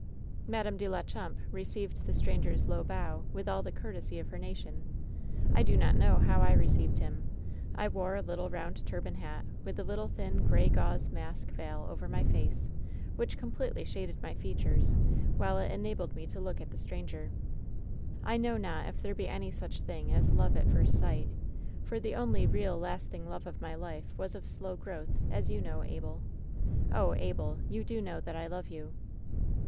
"Madame de la Champe received the stranger's low bow with all the courtesy of her nation. WHEN SHADOWS DIE 167 "I do not know how I received him, I wore a little round turban hat, with a little thin, gray gauze mask veil over my face, which completely shaded my features, while it enabled me to look at the stranger. "I know not if there be any such thing as love at first sight ; for the only real, lasting love of my life was of slow growth, as you know, Abel. Oh, Abel! you do know that I love you